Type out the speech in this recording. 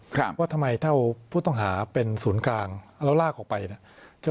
ครับว่าทำไมถ้าผู้ต้องหาเป็นศูนย์กลางแล้วลากออกไปเนี่ย